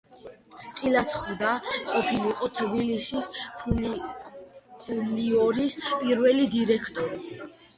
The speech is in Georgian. წილად ხვდა ყოფილიყო თბილისის ფუნიკულიორის პირველი დირექტორი.